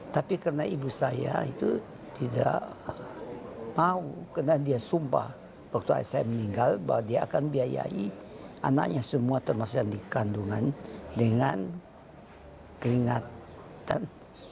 tapi karena ibu saya itu tidak mau karena dia sumpah waktu saya meninggal bahwa dia akan biayai anaknya semua termasuk yang dikandungan dengan keringatan